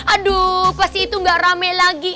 aduh pasti itu gak rame lagi